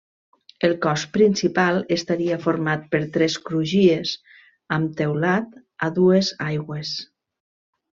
El cos principal estaria format per tres crugies amb teulat a dues aigües.